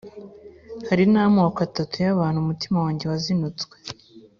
Hari n’amoko atatu y’abantu, umutima wanjye wazinutswe,